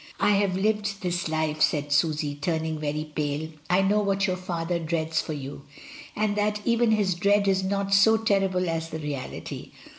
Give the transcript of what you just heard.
I have lived this life," said Susy, turning very pale. "I know what your father dreads THREE ON A HILL SroE. 245 for you, and that even his dread is not so terrible as the reality.